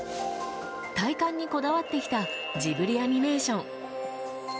体感にこだわってきたジブリアニメーション。